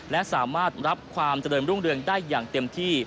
และสามารถรับความเจริญรุ่งเรืองได้อย่างเต็มที่